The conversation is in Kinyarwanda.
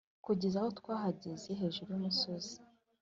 kugeza aho twahagaze hejuru yumusozi;